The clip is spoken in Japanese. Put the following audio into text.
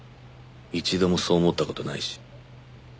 一度もそう思った事ないし。